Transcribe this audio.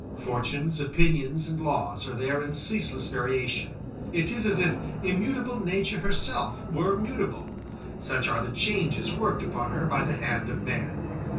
Fortunes, opinions, and laws are there in ceaseless variation: it is as if immutable nature herself were mutable, such are the changes worked upon her by the hand of man.